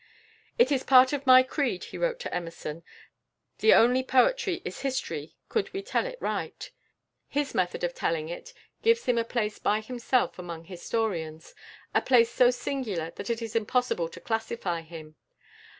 "It is part of my creed," he wrote to Emerson, "that the only poetry is history could we tell it right." His method of telling it gives him a place by himself among historians, a place so singular that it is impossible to classify him.